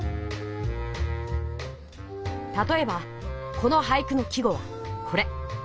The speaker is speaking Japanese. たとえばこの俳句の季語はこれ。